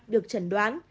được chẩn đoán